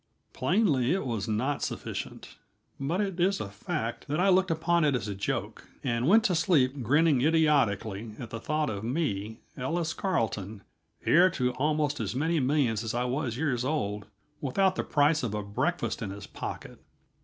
Plainly, it was not sufficient; but it is a fact that I looked upon it as a joke, and went to sleep grinning idiotically at the thought of me, Ellis Carleton, heir to almost as many millions as I was years old, without the price of a breakfast in his pocket.